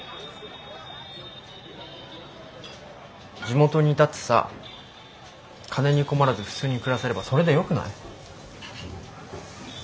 地元にいたってさ金に困らず普通に暮らせればそれでよくない？